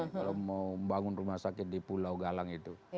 kalau mau membangun rumah sakit di pulau galang itu